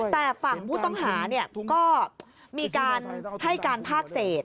แต่ฝั่งผู้ต้องหาก็มีการให้การภาคเศษ